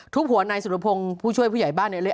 หัวนายสุรพงศ์ผู้ช่วยผู้ใหญ่บ้านเนี่ย